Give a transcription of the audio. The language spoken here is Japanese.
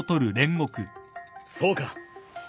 そうか。